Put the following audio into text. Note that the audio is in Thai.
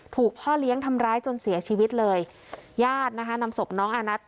พ่อเลี้ยงทำร้ายจนเสียชีวิตเลยญาตินะคะนำศพน้องอานัท